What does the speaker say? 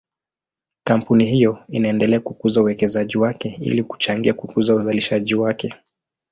Kampuni hiyo inaendelea kukuza uwekezaji wake ili kuchangia kukuza uzalishaji wake.